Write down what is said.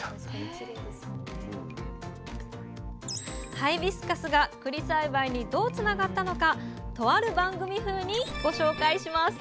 ハイビスカスがくり栽培にどうつながったのかとある番組風にご紹介します。